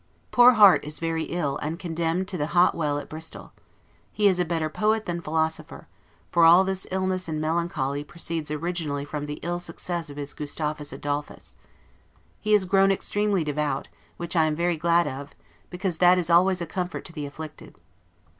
Poor Harte is very ill, and condemned to the Hot well at Bristol. He is a better poet than philosopher: for all this illness and melancholy proceeds originally from the ill success of his "Gustavus Adolphus." He is grown extremely devout, which I am very glad of, because that is always a comfort to the afflicted.